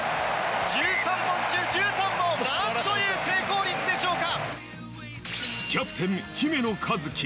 １３本中１３本、なんという成功率でしょうか。